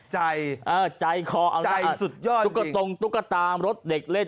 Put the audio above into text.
ใจใจขอใจสุดยอดจริงตุ๊กตรงตุ๊กตามรถเด็กเล่น